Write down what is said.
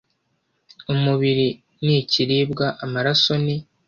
umubiri ni ikiribwa, amaraso ni